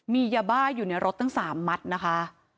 มียาบ้าอยู่ในรถตั้ง๓มัดนะคะ